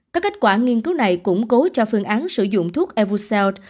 các kết quả nghiên cứu này củng cố cho phương án sử dụng thuốc evosel